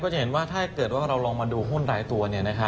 จะเห็นว่าถ้าเกิดว่าเราลองมาดูหุ้นหลายตัว